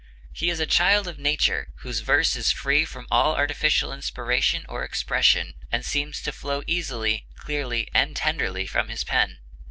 He is a child of nature, whose verse is free from all artificial inspiration or expression, and seems to flow easily, clearly, and tenderly from his pen.